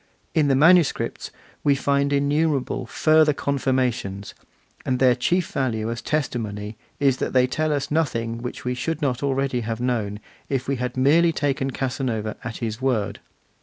In the manuscripts we find innumerable further confirmations; and their chief value as testimony is that they tell us nothing which we should not have already known, if we had merely taken Casanova at his word.